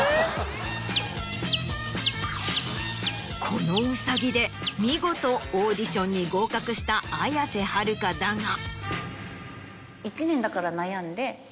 このウサギで見事オーディションに合格した綾瀬はるかだが。